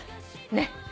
ねっ。